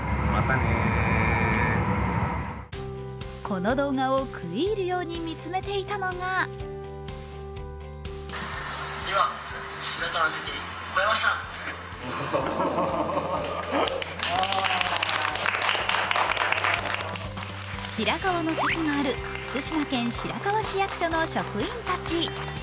この動画を食い入るように見つめていたのが白河の関がある福島県白河市役所の職員たち。